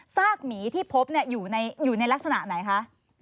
กหมีที่พบอยู่ในลักษณะไหนคะ